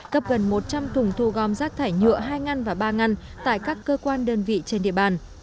cấp gần một trăm linh thùng thu gom rác thải nhựa hai ngăn và ba ngăn tại các cơ quan đơn vị trên địa bàn